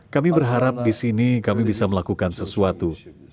kami berharap di sini kami bisa melakukan sesuatu